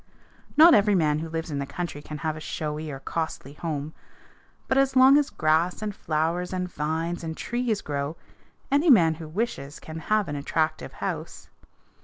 Not every man who lives in the country can have a showy or costly home, but as long as grass and flowers and vines and trees grow, any man who wishes can have an attractive house.